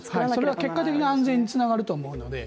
それが、結果的に安全につながると思うので。